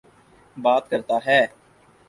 بات کرتا ہے۔